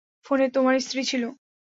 ফোনে তোমার স্ত্রী ছিল?